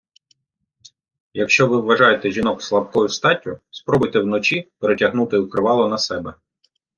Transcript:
Якщо ви вважаєте жінок слабкою статтю, спробуйте вночі перетягнути укривало на себе.